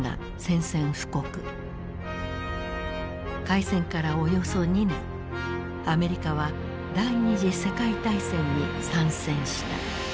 開戦からおよそ２年アメリカは第二次世界大戦に参戦した。